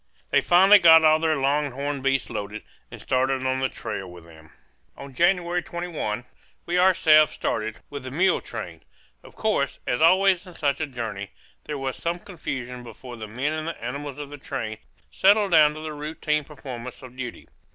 They finally got all their longhorned beasts loaded and started on the trail with them. On January 21 we ourselves started, with the mule train. Of course, as always in such a journey, there was some confusion before the men and the animals of the train settled down to the routine performance of duty.